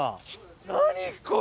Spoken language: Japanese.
何これ！